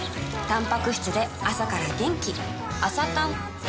たんぱく質で朝から元気